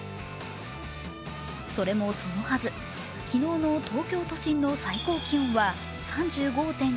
それもそのはず、昨日の東京都心の最高気温は３５．９度。